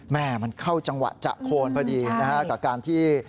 แม่มันเข้าจังหวะจะโคนพอดีนะฮะกับการที่